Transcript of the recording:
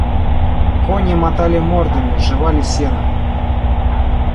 Кони мотали мордами, жевали сено.